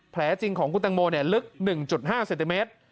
แผลจริงของคุณตังโมลึก๑๕เซนติเมตร